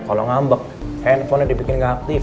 kalau ngambek handphonenya dibikin nggak aktif